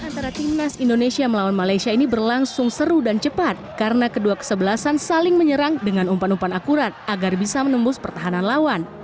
antara timnas indonesia melawan malaysia ini berlangsung seru dan cepat karena kedua kesebelasan saling menyerang dengan umpan umpan akurat agar bisa menembus pertahanan lawan